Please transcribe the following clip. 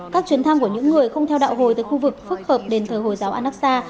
các chuyến thăm của những người không theo đạo hồi tới khu vực phức hợp đền thờ hồi giáo ansa